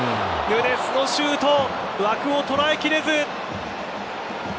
ヌニェスのシュート枠を捉えきれず。